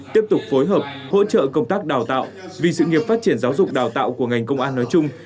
tiếp tục phối hợp hỗ trợ công tác đào tạo vì sự nghiệp phát triển giáo dục đào tạo của ngành công an nói chung